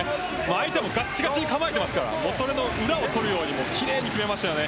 相手もガチガチに構えていますから裏を取るように奇麗に決めました。